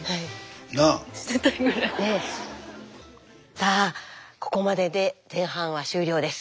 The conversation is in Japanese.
さあここまでで前半は終了です。